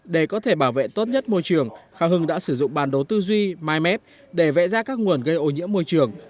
để có thể bảo vệ tốt nhất môi trường khang hưng đã sử dụng bản đồ tư duy mymap để vẽ ra các nguồn gây ô nhiễm môi trường